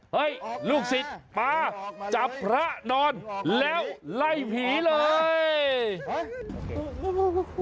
ลูกศิษย์ป๊าจับพระนอนแล้วไล่ผีเลย